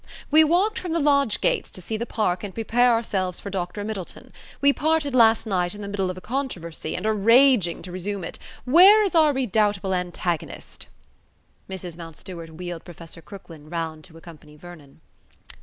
"We walked from the lodge gates to see the park and prepare ourselves for Dr. Middleton. We parted last night in the middle of a controversy and are rageing to resume it. Where is our redoubtable antagonist?" Mrs. Mountstuart wheeled Professor Crooklyn round to accompany Vernon.